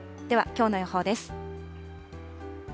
ではきょうの予報です。